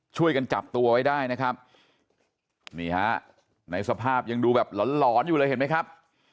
ช่วยกันจับตัวไว้ได้นะครับนี่ฮะในสภาพยังดูแบบหลอนหลอนอยู่เลยเห็นไหมครับ